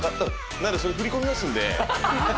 何、それ振り込みますんで。